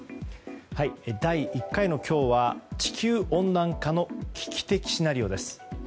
第１回の今日は地球温暖化の危機的シナリオです。